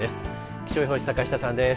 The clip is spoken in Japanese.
気象予報士、坂下さんです。